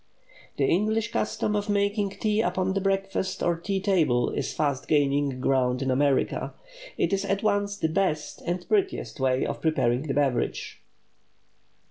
The English custom of making tea upon the breakfast or tea table is fast gaining ground in America. It is at once the best and prettiest way of preparing the beverage.